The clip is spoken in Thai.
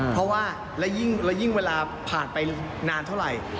เพราะว่าแล้วยิ่งเวลาผ่านไปนานเท่าไหร่